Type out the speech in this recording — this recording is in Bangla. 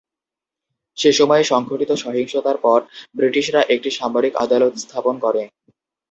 সেসময় সংঘটিত সহিংসতার পর ব্রিটিশরা একটি সামরিক আদালত স্থাপন করে।